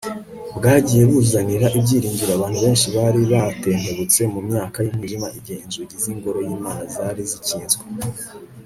bwagiye buzanira ibyiringiro abantu benshi bari batentebutse mu myaka y'umwijima igihe inzugi z'ingoro y'imana zari zikinzwe